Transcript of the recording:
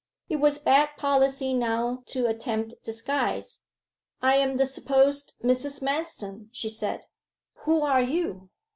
It was bad policy now to attempt disguise. 'I am the supposed Mrs. Manston,' she said. 'Who are you?